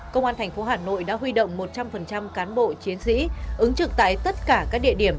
công an thành phố hà nội đã huy động một trăm linh cán bộ chiến sĩ ứng trực tại tất cả các địa điểm